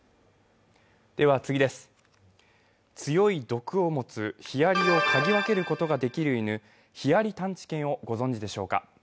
強い毒を持つヒアリを嗅ぎ分けることができる犬、ヒアリ探知犬をご存じでしょうか？